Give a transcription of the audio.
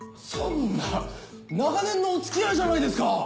そんな長年のおつきあいじゃないですか。